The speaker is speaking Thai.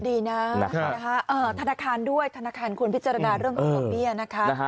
ดีนะธนาคารด้วยธนาคารควรพิจารณาเรื่องของดอกเบี้ยนะคะ